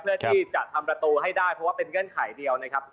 เพื่อที่จะทำประตูให้ได้เพราะว่าเป็นเงื่อนไขเดียวนะครับ